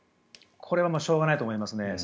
これはしょうがないと思いますね。